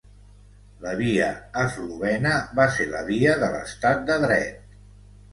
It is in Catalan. La via eslovena va ser la via de l’estat de dret.